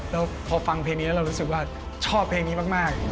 แล้วพอฟังเพลงนี้แล้วเรารู้สึกว่าชอบเพลงนี้มาก